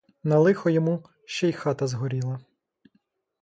На лихо йому, ще й хата згоріла.